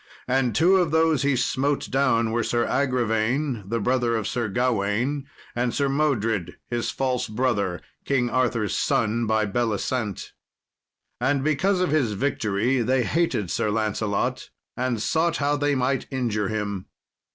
And two of those he smote down were Sir Agravaine, the brother of Sir Gawain, and Sir Modred, his false brother King Arthur's son by Belisent. And because of his victory they hated Sir Lancelot, and sought how they might injure him.